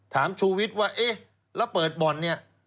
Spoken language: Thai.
ถามชูวิทย์ว่าแล้วเปิดบ่อนนี่